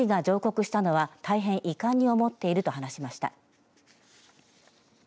知事が上告したの大変遺憾に思っていると話しました。